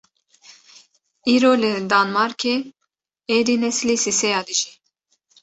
Îro li Danmarkê êdî neslî sisêya dijî!